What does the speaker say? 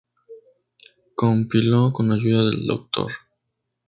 Compiló con ayuda del Dr.